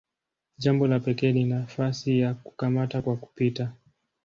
Jambo la pekee ni nafasi ya "kukamata kwa kupita".